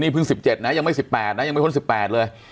นี่เพิ่งสิบเจ็ดนะยังไม่สิบแปดนะยังไม่พ้นสิบแปดเลย